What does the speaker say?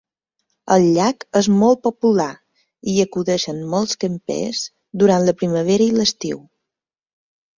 El llac és molt popular i hi acudeixen molts campers durant la primavera i l"estiu.